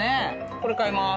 これ買います。